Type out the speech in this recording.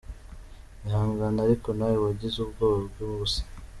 Ihangane ariko nawe wagize ubwoba bw'ubusa.